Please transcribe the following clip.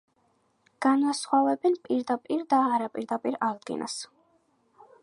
განასხვავებენ პირდაპირ და არაპირდაპირ აღდგენას.